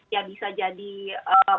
ya bisa jadi betul